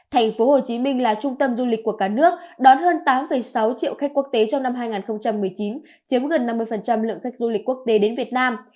thành phố hồ chí minh là trung tâm du lịch của cả nước đón hơn tám sáu triệu khách quốc tế trong năm hai nghìn một mươi chín chiếm gần năm mươi lượng khách du lịch quốc tế đến việt nam